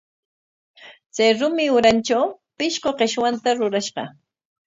Chay rumi urantraw pishqu qishwanta rurashqa.